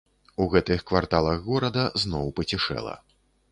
У гэтых кварталах горада зноў пацішэла.